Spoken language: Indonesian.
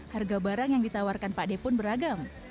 harga barang yang ditawarkan pak depun beragam